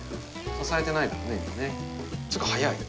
支えてないもんね、今ね。